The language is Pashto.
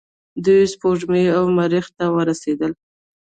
دوی سپوږمۍ او مریخ ته ورسیدل.